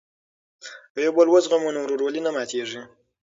که یو بل وزغمو نو ورورولي نه ماتیږي.